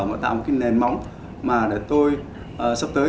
mà tạo một cái nền móng mà để tôi sắp tới